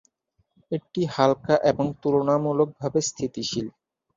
এটি হালকা এবং তুলনামূলকভাবে স্থিতিশীল।